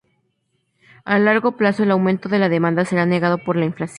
A largo plazo, el aumento de la demanda será negado por la inflación.